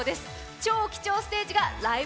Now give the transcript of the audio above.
超貴重ステージが「ライブ！